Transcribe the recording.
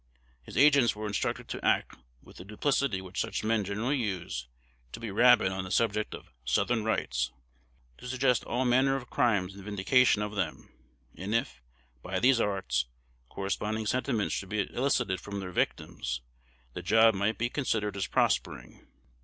His agents were instructed to act with the duplicity which such men generally use, to be rabid on the subject of "Southern rights," to suggest all manner of crimes in vindication of them; and if, by these arts, corresponding sentiments should be elicited from their victims, the "job" might be considered as prospering.